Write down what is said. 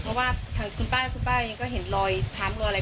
เพราะว่าทางคุณป้าคุณป้าเองก็เห็นรอยช้ำรอยอะไร